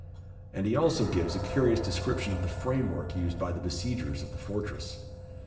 And he also gives a curious description of the framework used by the besiegers of the fortress.